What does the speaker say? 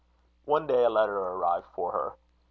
One day a letter arrived for her.